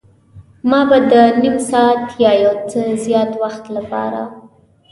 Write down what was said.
ما به د نیم ساعت یا یو څه زیات وخت لپاره.